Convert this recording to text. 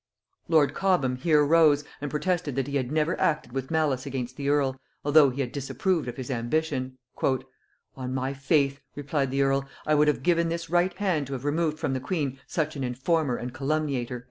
Lord Cobham here rose, and protested that he had never acted with malice against the earl, although he had disapproved of his ambition. "On my faith," replied the earl, "I would have given this right hand to have removed from the queen such an informer and calumniator."